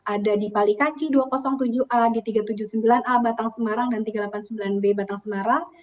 ada di palikanci dua ratus tujuh a di tiga ratus tujuh puluh sembilan a batang semarang dan tiga ratus delapan puluh sembilan b batang semarang